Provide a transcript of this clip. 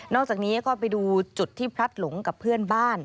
อกจากนี้ก็ไปดูจุดที่พลัดหลงกับเพื่อนบ้าน